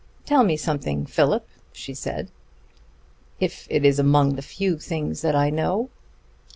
"Tell me something, Philip," she said. "If it is among the few things that I know."